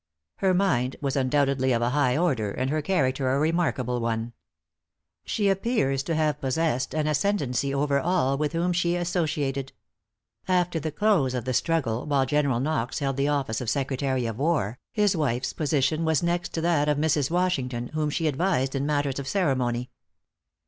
Her mind was undoubtedly of a high order, and her character a remarkable one. She appears to have possessed an ascendancy over all with whom she associated. After the close of the struggle, while General Knox held the office of Secretary of War, his wife's position was next to that of Mrs. Washington, whom she advised in matters of ceremony.